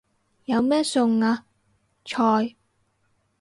有咩餸啊？菜